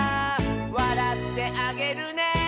「わらってあげるね」